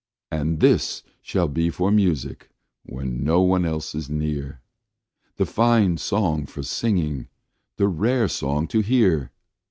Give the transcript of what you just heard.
And this shall be for music when no one else is near, The fine song for singing, the rare song to hear!